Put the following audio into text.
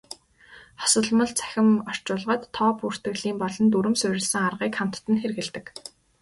Хосолмол цахим орчуулгад тоо бүртгэлийн болон дүрэм суурилсан аргыг хамтад нь хэрэглэдэг.